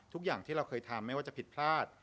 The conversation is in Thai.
ทุกอย่างที่เราเคยทำไม่ว่าจะผิดพลาด